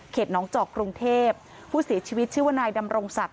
เขตน้องจอกกรุงเทพฯผู้เสียชีวิตชื่อวนายดำรงสัตว์